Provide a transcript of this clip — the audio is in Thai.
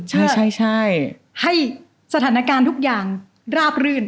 ใช่ให้สถานการณ์ทุกอย่างราบรื่น